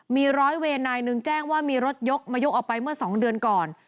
มีร้อยเวรนายหนึ่งแจ้งว่ามีรถยกมายกออกไปเมื่อ๒เดือนก่อน